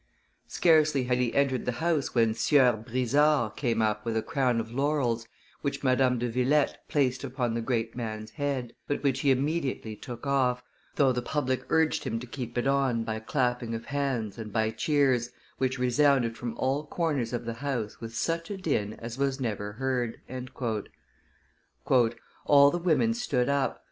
Scarcely had he entered the house when Sieur Brizard came up with a crown of laurels, which Madame de Villette placed upon the great man's head, but which he immediately took off, though the public urged him to keep it on by clapping of hands and by cheers which resounded from all corners of the house with such a din as never was heard. "All the women stood up.